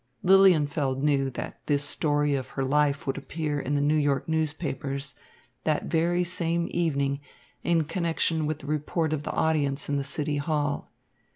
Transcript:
Lilienfeld knew that this story of her life would appear in the New York newspapers that very same evening in connection with the report of the audience in the City Hall.